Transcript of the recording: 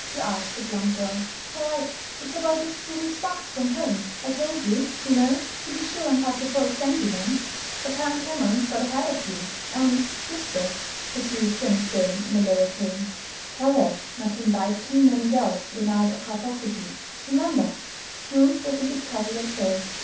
she asked the plump girl. "Why, it's about your spoon's box from home. I told you, you know, to be sure and have the folks send you one; but Helen Cameron's got ahead of you. And whisper!" pursued Jennie Stone, in a lowered tone, "tell her not to invite too many girls to the Night of Harpocrates. Remember!" Ruth was a bit puzzled at first.